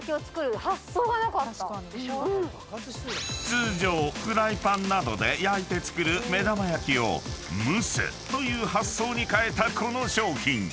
［通常フライパンなどで焼いて作る目玉焼きを蒸すという発想に変えたこの商品］